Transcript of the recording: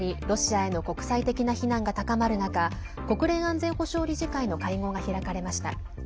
ロシアへの国際的な非難が高まる中国連安全保障理事会の会合が開かれました。